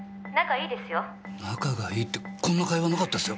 仲がいいってこんな会話なかったですよ。